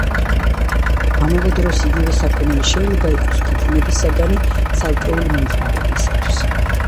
ამავე დროს, იგივე საქონელი შეიძლება იყოს ფუფუნების საგანი, ცალკეული მომხმარებლისათვის.